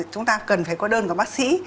chúng ta cần phải có đơn của bác sĩ